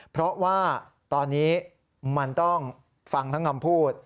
เพราะว่าตอนนี้มันต้องฟังทั้งคำพูด